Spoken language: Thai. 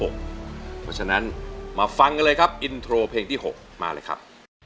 เพราะฉะนั้นมาฟังกันเลยครับอินโทรเพลงที่๖มาเลยครับ